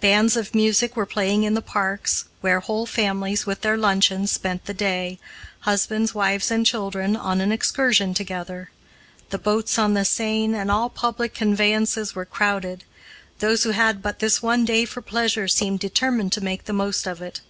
Bands of music were playing in the parks, where whole families, with their luncheons, spent the day husbands, wives, and children, on an excursion together. The boats on the Seine and all public conveyances were crowded. Those who had but this one day for pleasure seemed determined to make the most of it.